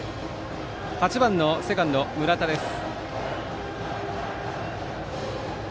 ８番のセカンド、村田です。